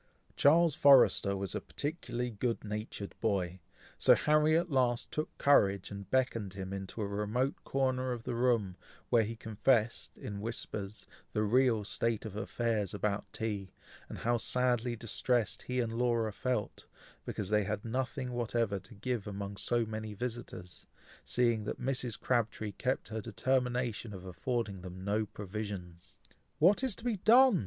Charles Forrester was a particularly good natured boy, so Harry at last took courage and beckoned him into a remote corner of the room, where he confessed, in whispers, the real state of affairs about tea, and how sadly distressed he and Laura felt, because they had nothing whatever to give among so many visitors, seeing that Mrs. Crabtree kept her determination of affording them no provisions. "What is to be done!"